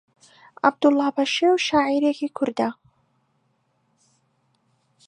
عەبدوڵڵا پەشێو شاعیرێکی کوردە